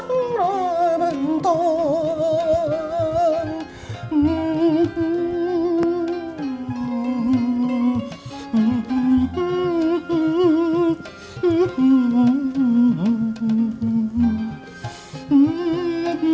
ibu bulan ibu bul bulan